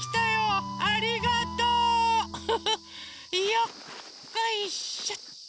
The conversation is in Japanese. よっこいしょっと。